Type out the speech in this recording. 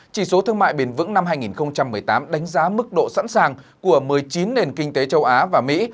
chỉ số thương mại bền vững năm hai nghìn một mươi tám đánh giá mức độ sẵn sàng của một mươi chín nền kinh tế châu á và mỹ